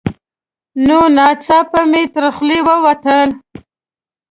نو ناڅاپه مې تر خولې ووتل: